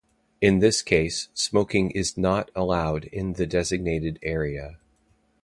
In this case, smoking is not allowed in the designated area.